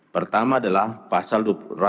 pertama adalah pasal dua ratus empat puluh